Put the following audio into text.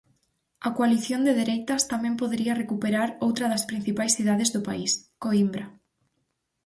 A coalición de dereitas tamén podería recuperar outra das principais cidades do país: Coímbra.